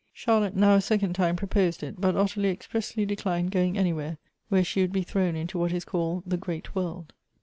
Charlotte now a second time proposed it ; but Ottilie expressly declined going anywhere, where she would be thrown into what is called the great world.